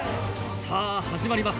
さあ、始まります。